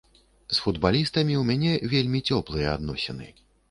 З футбалістамі ў мяне вельмі цёплыя адносіны.